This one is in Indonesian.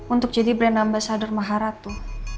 untuk jadi brand ambasador maharatu